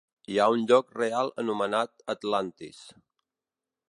Hi ha un lloc real anomenat Atlantis.